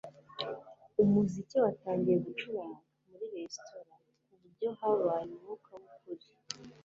umuziki watangiye gucuranga muri resitora kuburyo habaye umwuka wukuri